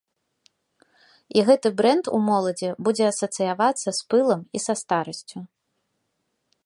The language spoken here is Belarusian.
І гэты брэнд у моладзі будзе асацыявацца з пылам і са старасцю.